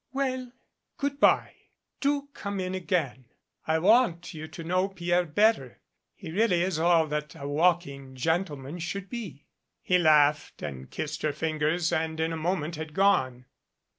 Well, good bye. Do come in again. I want you to know Pierre better. He really is all that a walking gentleman should be." He laughed and kissed her fingers, and in a moment had gone.